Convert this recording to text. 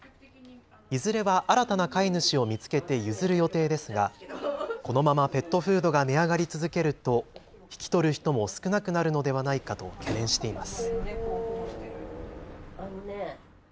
いずれは新たな飼い主を見つけて譲る予定ですが、このままペットフードが値上がり続けると引き取る人も少なくなるのではないかと懸念しています。